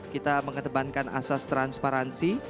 kita mengetebankan asas transparansi